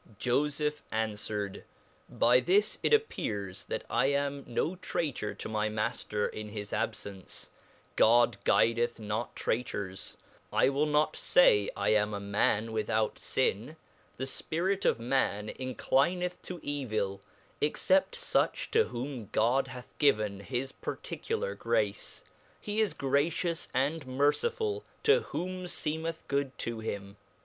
fofeph anfwered, by this it appears that I am no traitor to my Maftcr in his abfence, God guideth not traitors ; I will not fay I am a man withont fin, the fpiric ofmaninclinethto evill, except fuchtowhom God hath gi ven his particular grace, he is gracious and mercifull to whom feemeth good to him.